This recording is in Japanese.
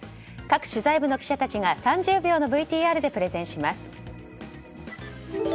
各取材部の記者やデスクたちが３０秒のＶＴＲでプレゼンします。